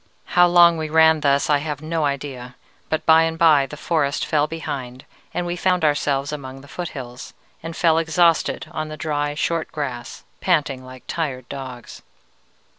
"How long we ran thus, I have no idea, but by and by the forest fell behind, and we found ourselves among the foothills, and fell exhausted on the dry short grass, panting like tired dogs.